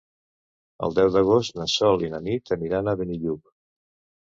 El deu d'agost na Sol i na Nit aniran a Benillup.